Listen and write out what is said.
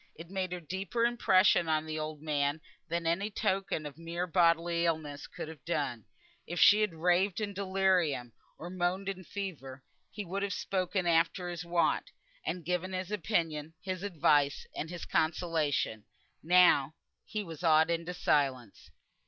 It made a deeper impression on the old man than any token of mere bodily illness could have done. If she had raved in delirium, or moaned in fever, he could have spoken after his wont, and given his opinion, his advice, and his consolation; now he was awed into silence.